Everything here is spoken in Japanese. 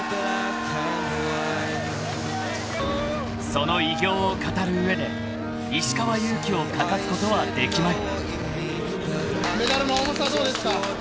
［その偉業を語る上で石川祐希を欠かすことはできまい］